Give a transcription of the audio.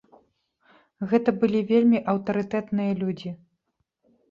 Гэта былі вельмі аўтарытэтныя людзі.